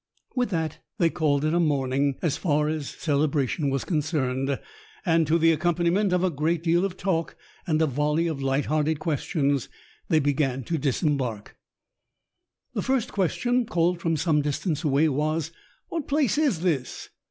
With that, they called it a morning, as far as celebration was concerned, and to the accompaniment of a great deal of talk and a volley of light hearted questions, they began to disembark. The first question, called from some distance away, was: "What place is this?"